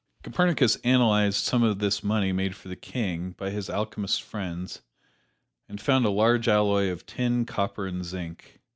Copernicus analyzed some of this money made for the King by his alchemist friends and found a large alloy of tin, copper and zinc.